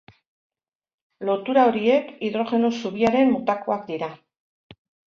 Lotura horiek hidrogeno zubiaren motakoak dira.